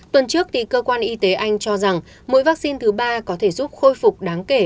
tuần trước cơ quan y tế anh cho rằng mỗi vaccine thứ ba có thể giúp khôi phục đáng kể